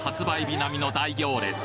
日並みの大行列。